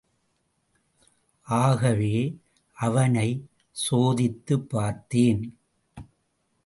ஆகவே அவனைச் சோதித்துப் பார்த்தேன்.